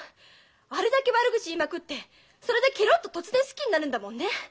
あれだけ悪口言いまくってそれでケロッと突然好きになるんだもんね。